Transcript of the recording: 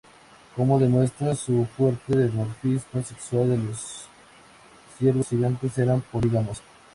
Como demuestra su fuerte dimorfismo sexual, los ciervos gigantes eran polígamos.